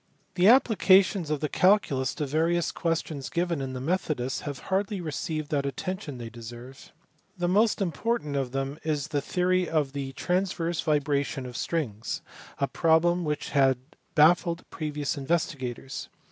The applications of the calculus to various questions given in the Methodus have hardly received that attention they deserve. The most important of them is the theory of the transverse vibrations of strings, a problem which had baffled previous investigators.